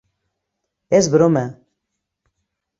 És broma!